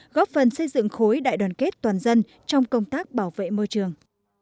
góp phần xây dựng khối đại đoàn kết toàn dân trong công tác bảo vệ môi trường